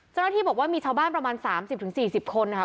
เจ้าหน้าที่บอกว่ามีชาวบ้านประมาณ๓๐๔๐คนนะคะ